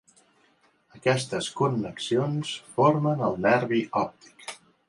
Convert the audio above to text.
Aquestes connexions formen el Nervi òptic.